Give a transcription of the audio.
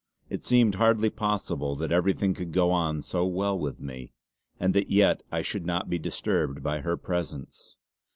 It seemed hardly possible that everything could go on so well with me, and that yet I should not be disturbed by her presence.